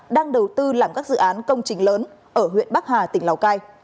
đang đầu tư làm các dự án công trình lớn ở huyện bắc hà tỉnh lào cai